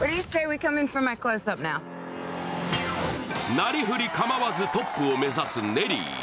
なりふりかまわずトップを目指すネリー。